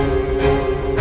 aku akan menjaga dia